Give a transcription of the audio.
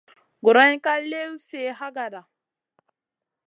Guroyna ka liw sih hagada.